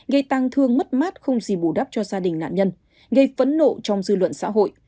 gây tăng thương mất mát không gì bù đắp cho gia đình nạn nhân gây phẫn nộ trong dư luận xã hội